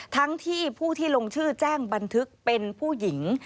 ทั้งที่ผู้ที่ลงชื่อแจ้งบันทึกเป็นผู้หญิง